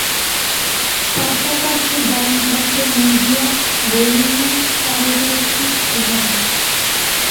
পাশাপাশি ডানহাতে মিডিয়াম বোলিংয়ে পারদর্শী ছিলেন।